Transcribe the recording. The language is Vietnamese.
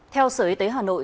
theo sở y tế hà nội